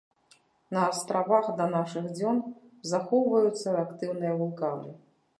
На астравах да нашых дзён захоўваюцца актыўныя вулканы.